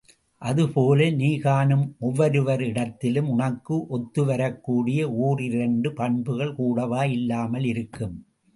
அது போல, நீ காணும் ஒவ்வொருவரிடத்திலும் உனக்கு ஒத்துவரக்கூடிய ஒன்றிரண்டு பண்புகள் கூடவா இல்லாமல் இருக்கும்!